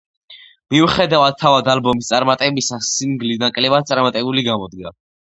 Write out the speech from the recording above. მიუხედავად თავად ალბომის წარმატებისა, სინგლი ნაკლებად წარმატებული გამოდგა.